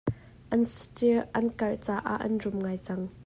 An saṭil an karh caah an rum ngai cang.